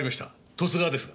十津川ですが。